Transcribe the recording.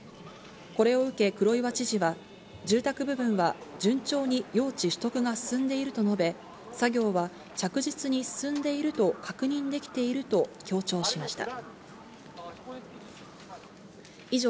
これを受け、黒岩知事は、住宅部分は順調に用地取得が進んでいると述べ、作業は着実に進んでいると確認できていると強調しました。